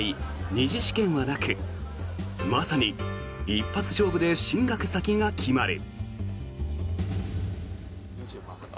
２次試験はなくまさに一発勝負で進学先が決まる。